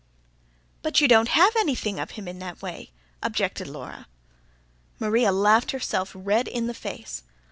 "But you don't have anything of him that way," objected Laura. Maria laughed herself red in the face.